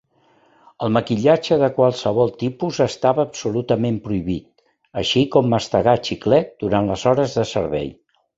El maquillatge de qualsevol tipus estava absolutament prohibit, així com mastegar xiclet durant les hores de servei.